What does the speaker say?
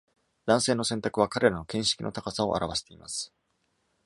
男性の選択は彼らの見識の高さを表しています。